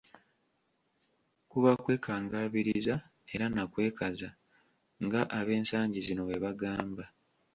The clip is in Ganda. Kuba kwekangabiriza era na kwekaza, nga ab'ensangi zino bwe bagamba .